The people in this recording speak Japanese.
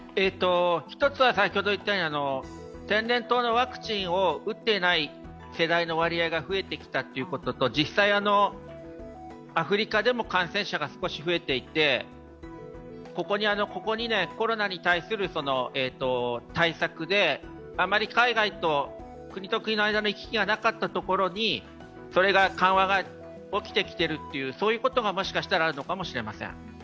１つは天然痘ワクチンを打っていない世代の割合が増えてきたこと、実際、アフリカでも感染者が少し増えていて、ここ２年、コロナに対する対策であまり海外と国と国の行き来がなかったところにそれが緩和が起きてきてることがもしかしたらあるのかもしれません。